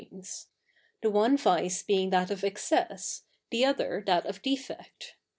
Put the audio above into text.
7ies ; the 07ie vice being that of excess, the other that of defect.